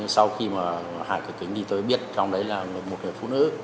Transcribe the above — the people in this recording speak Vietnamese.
sau khi mà hạ cửa kính thì tôi biết trong đấy là một người phụ nữ